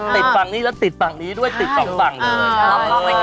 ติดฝั่งนี้แล้วติดฝั่งนี้ด้วยติดสองฝั่งเลย